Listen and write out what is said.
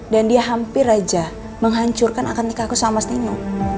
dan dia hampir aja menghancurkan akan nikahku sama mas nino